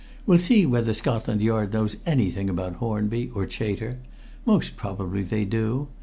"We'll see whether Scotland Yard knows anything about Hornby or Chater. Most probably they do.